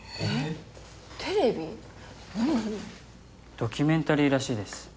ドキュメンタリーらしいです。